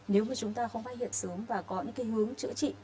nếu mà chúng ta không phát hiện sớm và có những hướng chữa trị